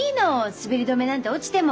滑り止めなんて落ちても。